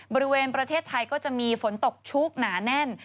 บริเวณประเทศไทยก็จะมีฝนตกชุกหนาแน่น